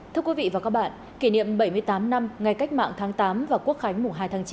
thưa quý vị và các bạn kỷ niệm bảy mươi tám năm ngày cách mạng tháng tám và quốc khánh mùng hai tháng chín